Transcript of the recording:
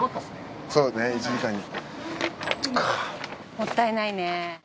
もったいないね。